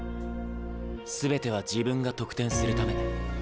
全ては自分が得点するため。